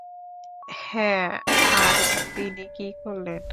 হ্যাঁ, আর তিনি কী করলেন?